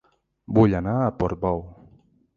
Vull anar a Portbou